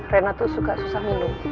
rena tuh suka susah minum